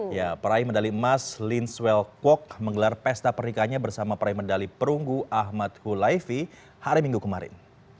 ya peraih medali emas lin swell kwok menggelar pesta pernikahannya bersama peraih medali perunggu ahmad hulaifi hari minggu kemarin